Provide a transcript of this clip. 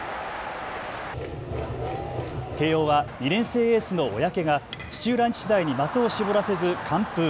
慶応は２年生エースの小宅が土浦日大に的を絞らせず完封。